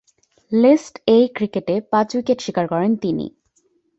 List A ক্রিকেটে পাঁচ wicket শিকার করেন তিনি।